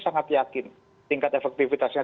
sangat yakin tingkat efektivitasnya